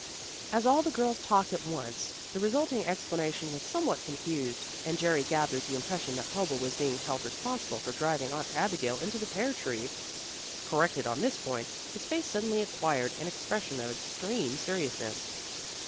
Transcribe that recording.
As all the girls talked at once, the resulting explanation was somewhat confused, and Jerry gathered the impression that Hobo was being held responsible for driving Aunt Abigail into the pear tree. Corrected on this point, his face suddenly acquired an expression of extreme seriousness.